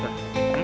tahan aja bos